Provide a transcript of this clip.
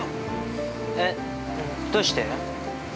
◆えっ、どうして？